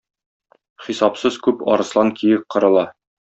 Хисапсыз күп арыслан-киек кырыла.